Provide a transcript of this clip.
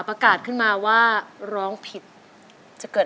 นี่คือเพลงที่นี่